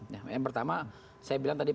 nah yang pertama saya bilang tadi